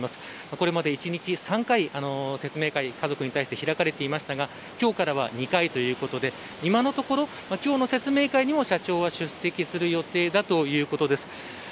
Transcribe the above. これまで１日３回説明会、家族に対して開かれていましたが今日からは２回ということで今のところ、今日の説明会にも社長は出席する予定だということです。